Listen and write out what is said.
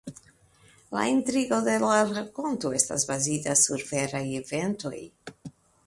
La intrigo de la rakonto estas bazita sur veraj eventoj.